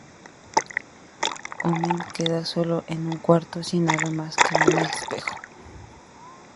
Omen queda solo en un cuarto sin nada más que un espejo.